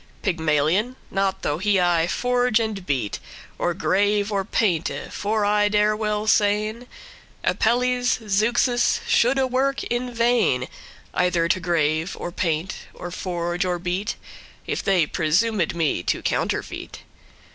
Pygmalion? not though he aye forge and beat, Or grave or painte: for I dare well sayn, Apelles, Zeuxis, shoulde work in vain, Either to grave, or paint, or forge, or beat, If they presumed me to counterfeit.